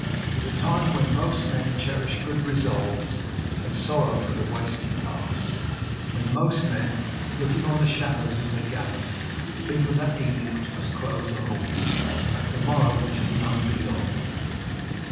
It was a time when most men cherish good resolves, and sorrow for the wasted past; when most men, looking on the shadows as they gather, think of that evening which must close on all, and that to morrow which has none beyond.